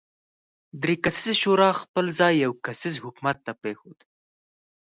درې کسیزې شورا خپل ځای یو کسیز حکومت ته پرېښود.